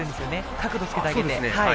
角度をつけてあげて。